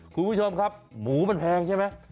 คุณผู้ชมครับหมูมันแพงใช่ไหม